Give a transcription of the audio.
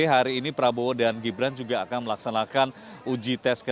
hari ini prabowo dan gibran juga akan melaksanakan uji tes kesehatan